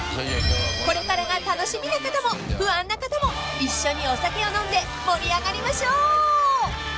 ［これからが楽しみな方も不安な方も一緒にお酒を飲んで盛り上がりましょう！］